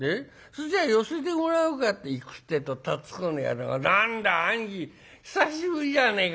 『それじゃあ寄せてもらうか』って行くってえと辰公の野郎『何だ兄貴久しぶりじゃねえか。